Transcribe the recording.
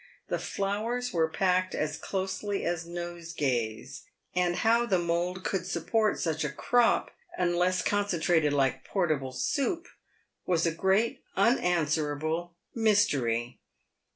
The flowers were packed as closely as nosegays, and how the mould could support such a crop— unless concentrated like portable soup — was a great, unanswerable mystery.